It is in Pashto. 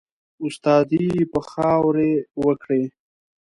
استادي به خاوري وکړې